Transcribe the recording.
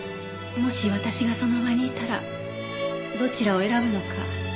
もし私がその場にいたらどちらを選ぶのか